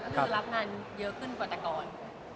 ก็คือรับงานเยอะขึ้นกว่าแต่ก่อน